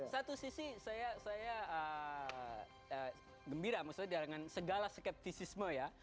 satu sisi saya gembira maksudnya dengan segala skeptisisme ya